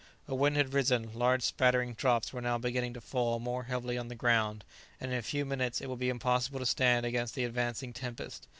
A wind had risen; large spattering drops were now beginning to fall more heavily on the ground and in a few minutes it would be impossible to stand against the advancing tempest.